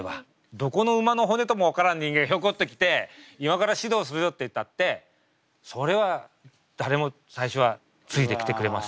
どこの馬の骨とも分からん人間がヒョコっと来て今から指導するよっていったってそれは誰も最初はついてきてくれません。